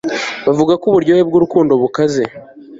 Bavuga ko uburyohe bwurukundo bukaze